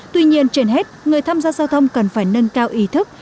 tuy nhiên trên hết người tham gia giao thông cần phải nâng cao ý thức